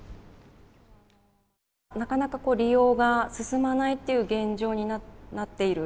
なかなか利用が進まないっていう現状になっている。